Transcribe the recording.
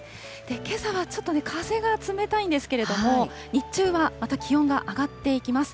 けさはちょっと風が冷たいんですけれども、日中はまた気温が上がっていきます。